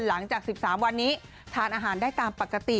หลังจาก๑๓วันนี้ทานอาหารได้ตามปกติ